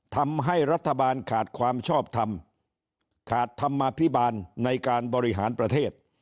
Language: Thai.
ทำให้รัฐบาลขาดความชอบทำขาดธรรมภิบาลในการบริหารประเทศ